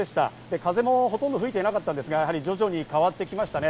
風もほとんど吹いていなかったんですが徐々に変わってきましたね。